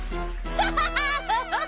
ハハハハハ！